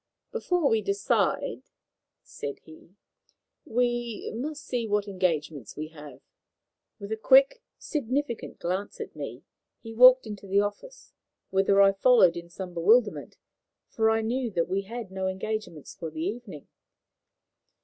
"Before we decide," said he, "we must see what engagements we have." With a quick, significant glance at me, he walked into the office, whither I followed in some bewilderment, for I knew that we had no engagements for the evening.